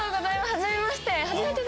はじめまして。